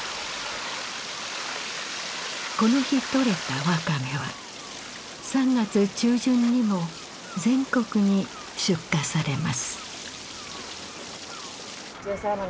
この日とれたワカメは３月中旬にも全国に出荷されます。